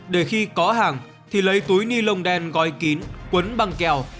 để khi có hàng thì lấy túi ni lông đen gói kín quấn băng keo